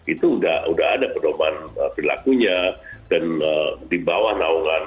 itu udah ada pendorongan berlakunya dan dibawah naungan